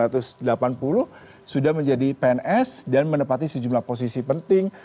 tahun seribu sembilan ratus delapan puluh sudah menjadi pns dan menepati sejumlah posisi penting